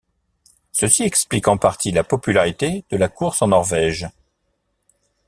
Ceci explique en partie la popularité de la course en Norvège.